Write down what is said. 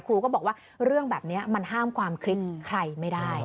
ครูก็บอกว่าเรื่องแบบนี้มันห้ามความคิดใครไม่ได้